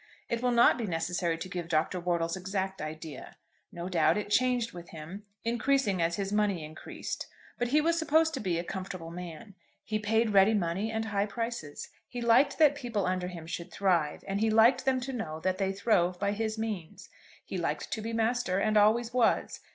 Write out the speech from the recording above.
It will not be necessary to give Dr. Wortle's exact idea. No doubt it changed with him, increasing as his money increased. But he was supposed to be a comfortable man. He paid ready money and high prices. He liked that people under him should thrive, and he liked them to know that they throve by his means. He liked to be master, and always was.